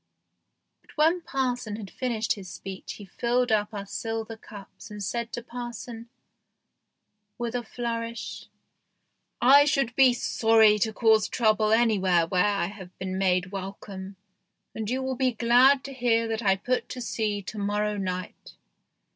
But when parson had finished his speech he filled up our silver cups and said to parson, with a flourish, " I should be sorry to cause trouble anywhere where I have been made welcome, and you will be glad to hear that I put to sea to morrow night.